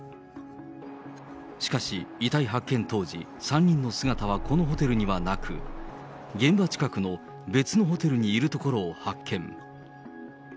しかし遺体発見当時、３人の姿はこのホテルにはなく、現場近くの別のホテルにいるところを発見。